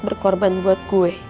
berkorban buat gue